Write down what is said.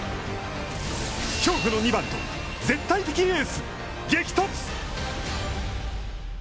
恐怖の２番と絶対的エース、激突！